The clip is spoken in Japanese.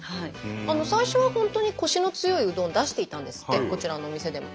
最初は本当にコシの強いうどんを出していたんですってこちらのお店でも。